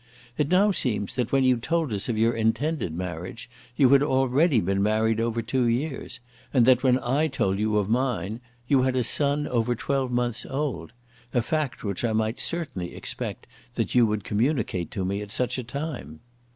It now seems that when you told us of your intended marriage you had already been married over two years, and that when I told you of mine you had a son over twelve months old, a fact which I might certainly expect that you would communicate to me at such a time.